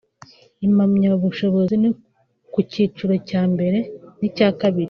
impamyabushobozi ku cyiciro cya mbere n’icya kabiri